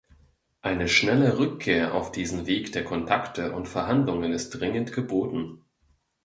Eine schnelle Rückkehr auf diesen Weg der Kontakte und Verhandlungen ist dringend geboten.